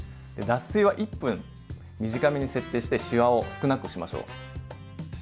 脱水は１分短めに設定してしわを少なくしましょう。